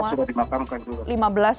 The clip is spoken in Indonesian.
lima belas sudah dimakamkan dulu